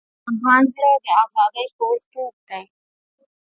د افغان زړه د ازادۍ په اور تود دی.